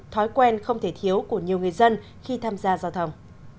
thói quen không thể thiếu của nhiều người dân khi tham gia giao thông